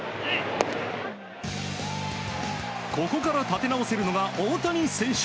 ここから立て直せるのが大谷選手。